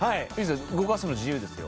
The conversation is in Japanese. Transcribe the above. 動かすの自由ですよ。